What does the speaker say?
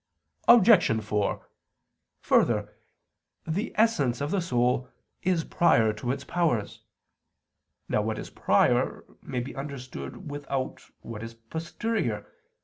Obj. 4: Further, the essence of the soul is prior to its powers. Now what is prior may be understood without what is posterior.